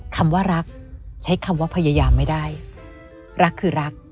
คำว่ารักใช้คำว่าพยายามไม่ได้รักคือรัก